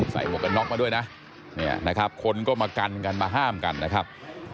หมวกกันน็อกมาด้วยนะเนี่ยนะครับคนก็มากันกันมาห้ามกันนะครับ